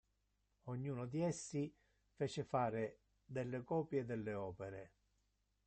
Ognuno di essi, fece fare delle copie delle opere.